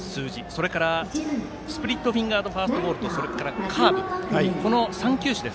それからスプリットフィンガーファストボールそれから、カーブ、この３球種。